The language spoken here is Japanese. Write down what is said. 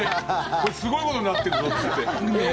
これ、すごいことになってるぞっていって。